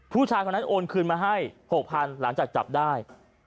ผู้ชายคนนั้นโอนคืนมาให้๖๐๐๐หลังจากจับได้